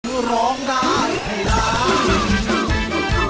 เพื่อร้องได้ให้ร้อง